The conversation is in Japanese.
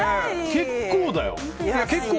結構だよ。